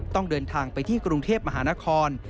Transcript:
ต้องเดินทางไปที่กรุงเทพมหานคร